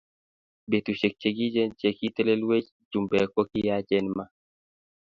Betusiek chigiche cha ki telelwech chumbek ko kiyachen ma!